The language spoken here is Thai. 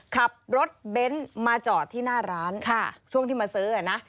ขับรถเบนท์มาจอดที่หน้าร้านช่วงที่มาซื้อนะ